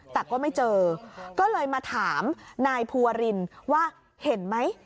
แต่ก็ไม่เจอก็เลยมาถามนายภูวรินว่าเห็นไหม